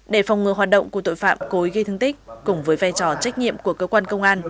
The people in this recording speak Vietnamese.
để phòng ngừa hoạt động của tội phạm cố ý gây thương tích cùng với vai trò trách nhiệm của cơ quan công an